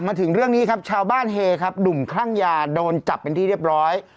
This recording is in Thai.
มาถึงเรื่องนี้ครับชาวบ้านเฮครับหนุ่มคลั่งยาโดนจับเป็นที่เรียบร้อย